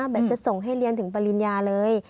แบบจะส่งให้เรียนถึงปริญญาเลย